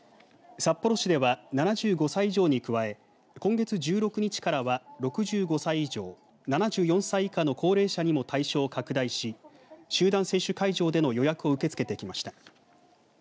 札幌市では、７５歳以上に加え今月１６日からは６５歳以上７４歳以下の高齢者にも対象を拡大し集団接種会場での予約を受け付けてきました。